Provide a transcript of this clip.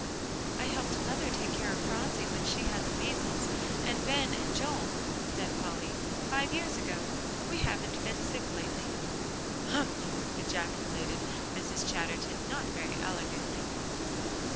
"I helped mother take care of Phronsie when she had the measles, and Ben and Joel," said Polly, "five years ago; we haven't been sick lately." "Humph!" ejaculated Mrs. Chatterton, not very elegantly.